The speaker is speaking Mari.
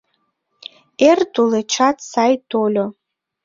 Эр тулечат сай тольо.